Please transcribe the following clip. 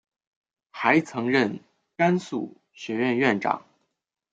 还曾任甘肃学院院长。